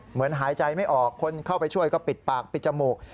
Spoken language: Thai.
เหมือนหายใจไม่ออกคนเข้าไปช่วยก็ปิดปากปิดจมูก